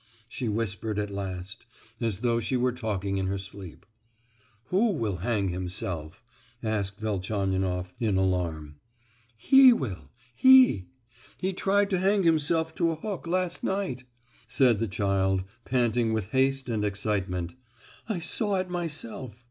she whispered at last, as though she were talking in her sleep. "Who will hang himself?" asked Velchaninoff, in alarm. "He will—he! He tried to hang himself to a hook last night!" said the child, panting with haste and excitement; "I saw it myself!